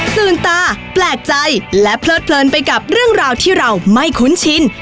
ตื่นตาแปลกใจและเพลิดเพลินไปกับเรื่องราวที่เราไม่คุ้นชิน